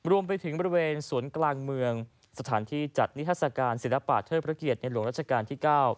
รวมไปถึงบริเวณสวนกลางเมืองสถานที่จัดนิทัศกาลศิลปะเทิดพระเกียรติในหลวงรัชกาลที่๙